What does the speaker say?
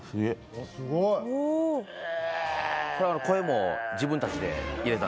声も自分たちで入れたんです。